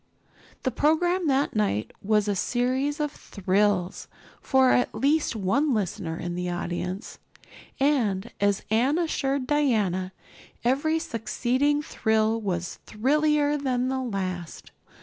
The program that night was a series of "thrills" for at least one listener in the audience, and, as Anne assured Diana, every succeeding thrill was thrillier than the last.